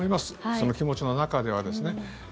その気持ちの中では。